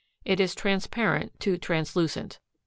It is transparent to translucent.